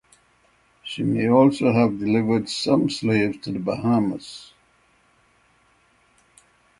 She may also have delivered some slaves to the Bahamas.